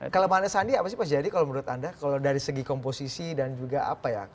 kalau pak sandi apa sih pak sijadi kalau menurut anda dari segi komposisi dan juga apa ya